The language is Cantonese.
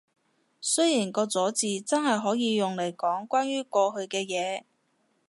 雖然個咗字真係可以用嚟講關於過去嘅嘢